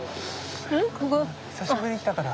久しぶりに来たから。